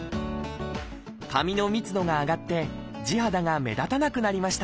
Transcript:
髪の密度が上がって地肌が目立たなくなりました。